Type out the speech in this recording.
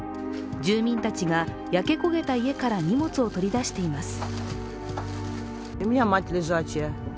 住民たちが焼け焦げた家から荷物を取り出しています。